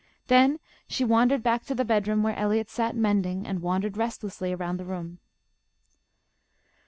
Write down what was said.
Then she wandered back to the bedroom where Eliot sat mending, and wandered restlessly around the room.